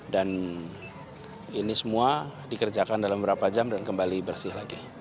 dan ini semua dikerjakan dalam beberapa jam dan kembali bersih lagi